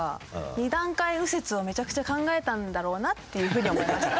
「二段階右折」をめちゃくちゃ考えたんだろうなっていう風に思いました。